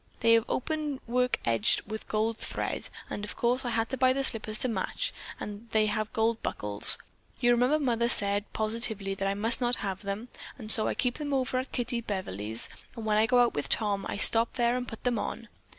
They have open work edged with gold thread, and of course I had to buy the slippers to match and they have gold buckles. You remember Mother said positively that I must not have them, and so I keep them over at Kittie Beverly's, and when I go out with Tom, I stop there and put them on.